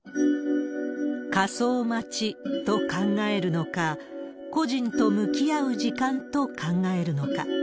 火葬待ちと考えるのか、故人と向き合う時間と考えるのか。